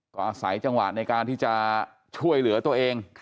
ก็อาศัยจังหวะในการที่จะช่วยเหลือตัวเอง